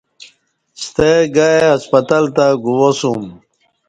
ستہ گای ہسپتال تہ گواسوم